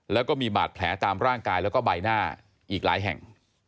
แล้วก็มีบาดแผลตามร่างกายแล้วก็ใบหน้าอีกหลายแห่ง